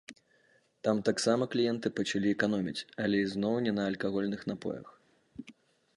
Там таксама кліенты пачалі эканоміць, але ізноў не на алкагольных напоях.